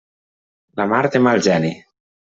La mar té mal geni.